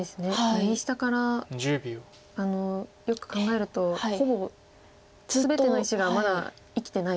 右下からよく考えるとほぼ全ての石がまだ生きてないっていう。